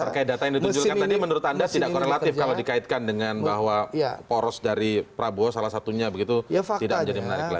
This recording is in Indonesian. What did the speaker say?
terkait data yang ditunjukkan tadi menurut anda tidak korelatif kalau dikaitkan dengan bahwa poros dari prabowo salah satunya begitu tidak menjadi menarik lagi